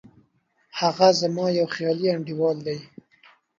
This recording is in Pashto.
هغه زما یو خیالي انډیوال دی